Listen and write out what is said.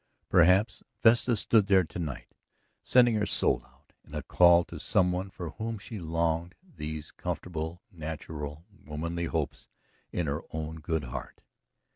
Perhaps Vesta stood there tonight sending her soul out in a call to someone for whom she longed, these comfortable, natural, womanly hopes in her own good heart.